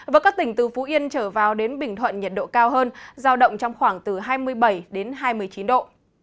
và các tỉnh từ phú yên trở vào đến bình thuận nhiệt độ cao hơn giao động trong khoảng từ hai mươi bảy đến hai mươi chín độ